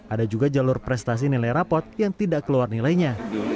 ada juga jalur prestasi nilai rapot yang tidak keluar nilainya